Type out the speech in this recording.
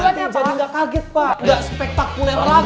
nanti jadi nggak kaget pak nggak spektakuler lagi